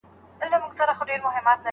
خلګو ته اجازه ورکړئ چي ازاد واوسي.